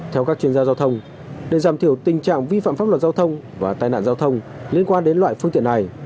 theo các chuyên gia giao thông để giảm thiểu tình trạng vi phạm pháp luật giao thông và tai nạn giao thông liên quan đến loại phương tiện này